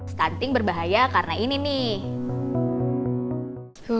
stunting berbahaya karena ini nih